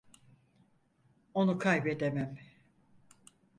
Onu kaybedemem.